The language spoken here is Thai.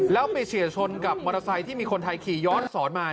แล้วไปเฉียวชนกับมอเตอร์ไซค์ที่มีคนไทยขี่ย้อนสอนมา